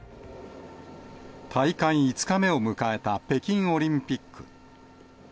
大会５日目を迎えた北京オリンピック。